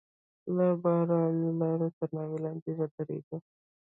له بارانه لاړو، تر ناوې لاندې ودرېدو.